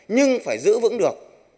nhưng phải giữ vững được